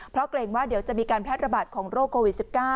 เพราะเกรงว่าเดี๋ยวจะมีการแพร่ระบาดของโรคโควิด๑๙